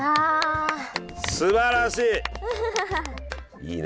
いいね